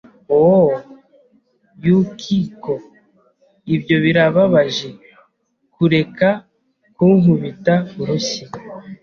Ow! Yukiko! Ibyo birababaje! Kureka kunkubita urushyi!